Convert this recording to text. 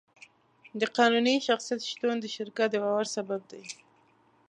د قانوني شخصیت شتون د شرکت د باور سبب دی.